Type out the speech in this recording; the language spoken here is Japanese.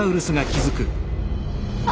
あ！